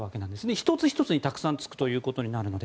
１つ１つにたくさんつくことになるので。